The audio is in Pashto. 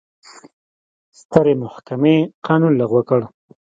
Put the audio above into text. سترې محکمې قانون لغوه کړ.